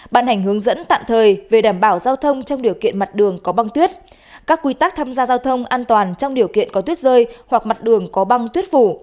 ban hành hướng dẫn tạm thời về đảm bảo giao thông trong điều kiện mặt đường có băng tuyết các quy tắc tham gia giao thông an toàn trong điều kiện có tuyết rơi hoặc mặt đường có băng tuyết phủ